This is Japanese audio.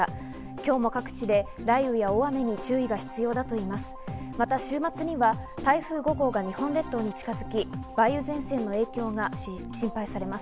今日も各地で雷雨や大雨に注意が必要だといいます。